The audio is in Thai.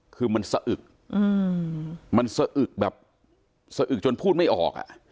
คือมันสะอึกจนพูดไม่ออก